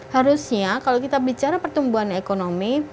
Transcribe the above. harusnya kalau kita bicara pertumbuhan ekonomi